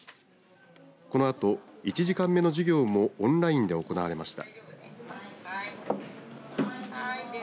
このあと１時間目の授業もオンラインで行われました。